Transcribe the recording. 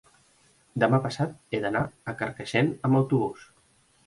Demà passat he d'anar a Carcaixent amb autobús.